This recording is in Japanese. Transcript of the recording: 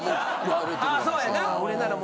ああそうやな。